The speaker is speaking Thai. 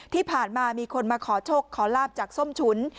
ที่ผ่านมามีคนมาขอโชคขอลาบจากส้มฉุน